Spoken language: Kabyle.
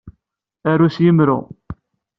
Aru s yemru.